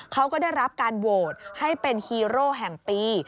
เขาก็ได้รับการโหวตให้เป็นฮีโร่แห่งปี